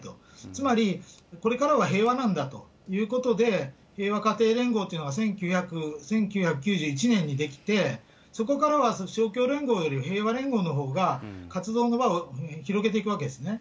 つまり、これからは平和なんだということで、平和家庭連合というのが１９９１年に出来て、そこからは勝共連合よりも平和連合のほうが活動の輪を広げていくわけですね。